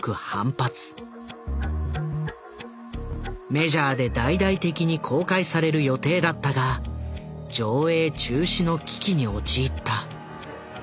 メジャーで大々的に公開される予定だったが上映中止の危機に陥った。